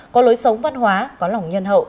có lối sống văn hóa có lòng nhân hậu